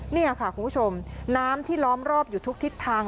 นี่ค่ะคุณผู้ชมน้ำที่ล้อมรอบอยู่ทุกทิศทาง